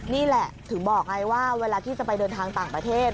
นี่แหละถึงบอกไงว่าเวลาที่จะไปเดินทางต่างประเทศ